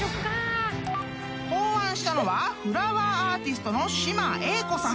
［考案したのはフラワーアーティストの］